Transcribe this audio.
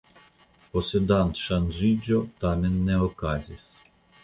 Posedantŝanĝiĝo tamen ne okazis.